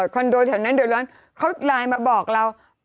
โดแถวนั้นเดือดร้อนเขาไลน์มาบอกเรา